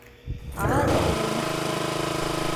عاد إلى المحكمة.